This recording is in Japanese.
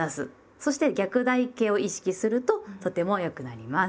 そして逆台形を意識するととても良くなります。